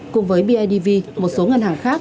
cùng với bidv một số ngân hàng khác